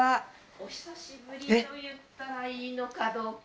お久しぶりと言ったらいいのかどうか。